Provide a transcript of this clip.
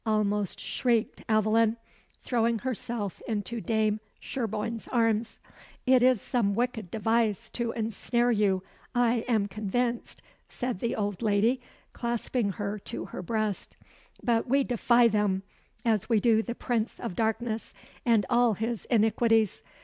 almost shrieked Aveline, throwing herself into Dame Sherborne's arms. "It is some wicked device to ensnare you, I am convinced," said the old lady, clasping her to her breast. "But we defy them, as we do the Prince of Darkness, and all his iniquities.